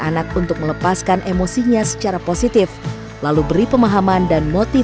anak untuk melepaskan emosinya secara positif lalu beri pemahaman yang seharusnya diberikan kepadanya